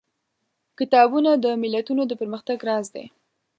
کتابونه د ملتونو د پرمختګ راز دي.